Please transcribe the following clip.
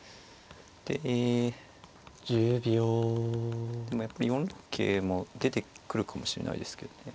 でえでもやっぱり４六桂も出てくるかもしれないですけどね。